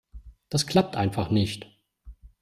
Das klappt einfach nicht!